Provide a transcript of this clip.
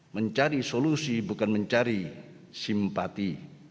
mencari solusi bukan mencari simpati